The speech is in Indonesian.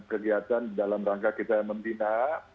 kegiatan dalam rangka kita membina